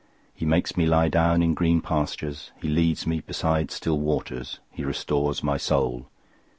023:002 He makes me lie down in green pastures. He leads me beside still waters. 023:003 He restores my soul.